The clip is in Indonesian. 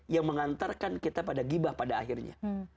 yang mengantarkan kita pada gibah pada akhirnya